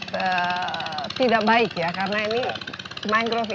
tidak baik ya karena ini mangrove yang sangat terlalu banyak dan juga terlalu banyak yang terlalu banyak